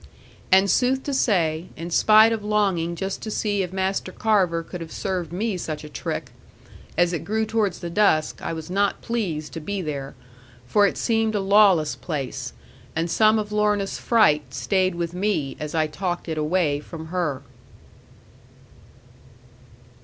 And sooth to say, in spite of longing just to see if Master Carver could have served me such a trick as it grew towards the dusk, I was not best pleased to be there; for it seemed a lawless place, and some of Lorna's fright stayed with me as I talked it away from her.